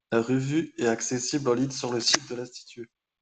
La revue est accessible en ligne sur le site de l'Institut.